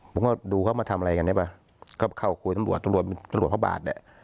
มะดูมาทำอะไรกันดิบ้าก็เข้าครทันว่าตัวเดิมตลอดบาษไอ้